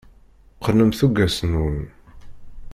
Qqnem tuggas-nwen.